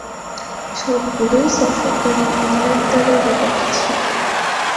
সবগুলোই সফরকারী ইংল্যান্ড দলের বিপক্ষে ছিল।